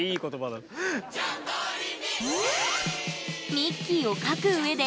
ミッキーを描くうえで